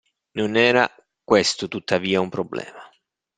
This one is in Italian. Non era questo tuttavia un problema.